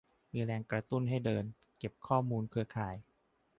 มีแรงกระตุ้นให้เดิน เก็บข้อมูลเครือข่าย